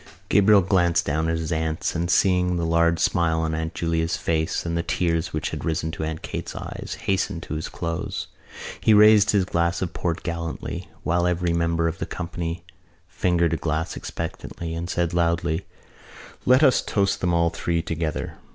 Gabriel glanced down at his aunts and, seeing the large smile on Aunt Julia's face and the tears which had risen to Aunt Kate's eyes, hastened to his close. He raised his glass of port gallantly, while every member of the company fingered a glass expectantly, and said loudly: "Let us toast them all three together.